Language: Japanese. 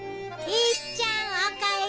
いっちゃんおかえり！